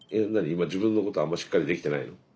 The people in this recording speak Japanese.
今自分のことあんまりしっかりできてないの？